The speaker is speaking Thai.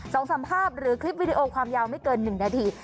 สองสามภาพหรือคลิปวิดีโอความยาวไม่เกินหนึ่งนาที